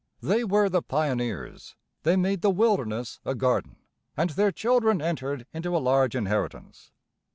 They were the pioneers; they made the wilderness a garden; and their children entered into a large inheritance.